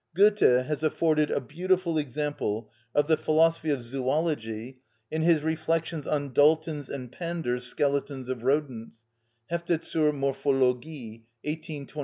Goethe has afforded a beautiful example of the philosophy of zoology in his reflections on Dalton's and Pander's skeletons of rodents (Hefte zur Morphologie, 1824).